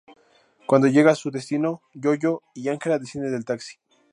Cuando llegan a su destino, YoYo y Ángela descienden del taxi.